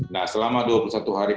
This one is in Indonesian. nah selama dua puluh satu hari